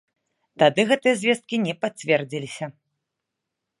Тады гэтыя звесткі не пацвердзіліся.